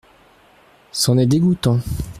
C’en est dégoûtant.